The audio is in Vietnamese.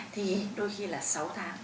thì đôi khi là sáu tháng